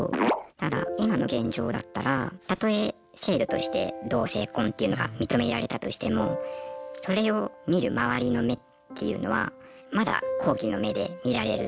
ただ、今の現状だったらたとえ制度として同性婚というのが認められたとしてもそれを見る周りの目っていうのはまだ好奇の目で見られることが。